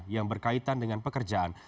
yang berkaitan dengan pekerjaan